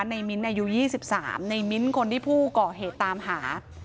ในมิ้นท์อายุยี่สิบสามในมิ้นท์คนที่ผู้ก่อเหตุตามหา